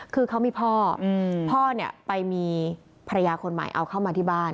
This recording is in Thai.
คือเขามีพ่อพ่อเนี่ยไปมีภรรยาคนใหม่เอาเข้ามาที่บ้าน